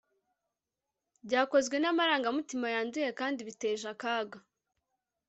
Byakozwe namarangamutima yanduye kandi biteje akaga